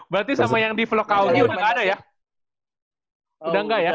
berarti sama yang di vlog augie udah nggak ada ya